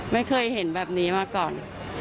ไม่เคยเห็นแบบนี้มาก่อน